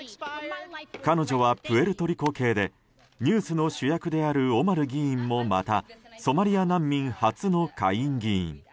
彼女はプエルトリコ系でニュースの主役であるオマル議員もまたソマリア難民初の下院議員。